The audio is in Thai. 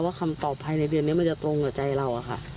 คำตอบภายในเดือนนี้มันจะตรงกับใจเราค่ะ